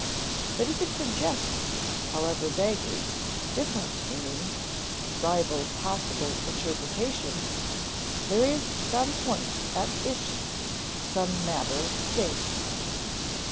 But if it suggests, however vaguely, different meanings, rival possible interpretations, there is some point at issue, some matter at stake.